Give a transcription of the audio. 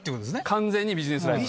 完全にビジネスライク。